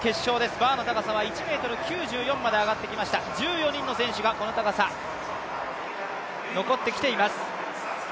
バーの高さは１ｍ９４まで上がってきました、１４人の選手がこの高さに残ってきています。